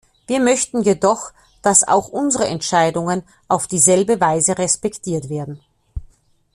Wir möchten jedoch, dass auch unsere Entscheidungen auf dieselbe Weise respektiert werden.